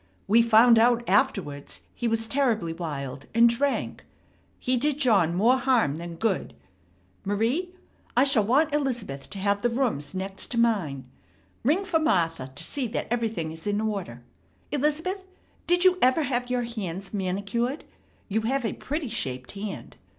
We found out afterwards he was terribly wild, and drank. He did John more harm than good, Marie, I shall want Elizabeth to have the rooms next mine. Ring for Martha to see that everything is in order. Elizabeth, did you ever have your hands manicured? You have a pretty shaped hand.